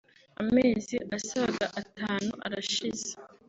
Amezi asaga atanu arashize